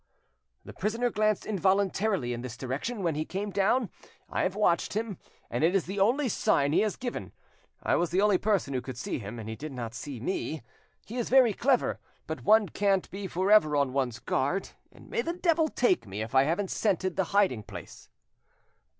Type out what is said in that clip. The prisoner glanced involuntarily in this direction when he came down; I have watched him, and it is the only sign he has given. I was the only person who could see him, and he did not see me. He is very clever, but one can't be for ever on one's guard, and may the devil take me if I haven't scented the hiding place."